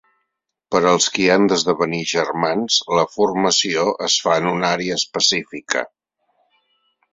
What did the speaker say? Per als qui han d'esdevenir germans, la formació es fa en una àrea específica.